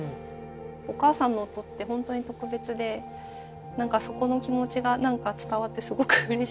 お母さんの音って本当に特別で何かそこの気持ちが伝わってすごくうれしいです。